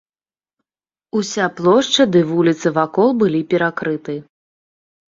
Уся плошча ды вуліцы вакол былі перакрыты.